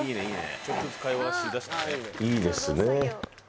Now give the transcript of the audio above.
いいですね。